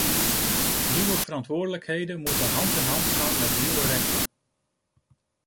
Nieuwe verantwoordelijkheden moeten hand in hand gaan met nieuwe rechten.